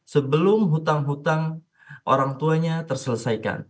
sebelum hutang hutang orang tuanya terselesaikan